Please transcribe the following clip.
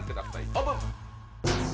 オープン。